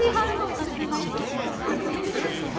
うちのナイスガイよろしくお願いします。